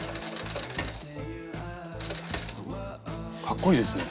かっこいいですね。